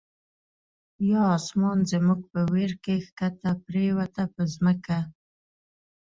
یا آسمان زموږ په ویر کی، ښکته پر یووته په ځمکه